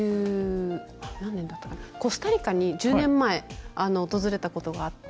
コスタリカに１０年前訪れたことがあって。